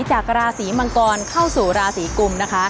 จากราศีมังกรเข้าสู่ราศีกุมนะคะ